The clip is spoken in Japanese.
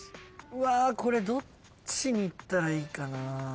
うわこれどっちにいったらいいかな。